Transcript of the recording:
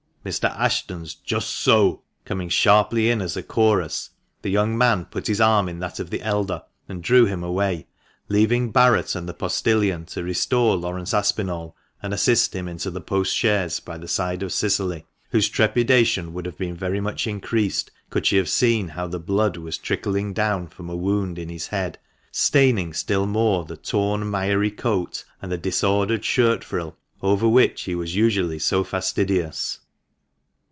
Mr. Ashton's " Just so !" coming sharply in as chorus, the young man put his arm in that of the elder and drew him away, leaving Barret and the postilion to restore Laurence Aspinall, and assist him into the post chaise by the side of Cicily, whose trepidation would have been very much increased could she have seen how the blood was trickling down from a wound in his head, staining still more the torn, miry coat, and the disordered shirt frill over which he was usually so fastidious.